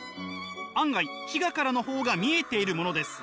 案外非我からの方が見えているものです。